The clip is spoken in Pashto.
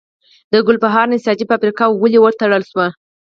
د ګلبهار نساجي فابریکه ولې وتړل شوه؟